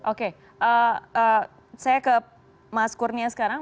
oke saya ke mas kurnia sekarang